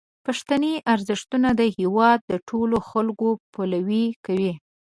پښتني ارزښتونه د هیواد د ټولو خلکو پلوي کوي.